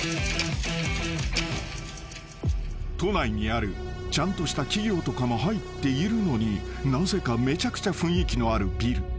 ［都内にあるちゃんとした企業とかも入っているのになぜかめちゃくちゃ雰囲気のあるビル］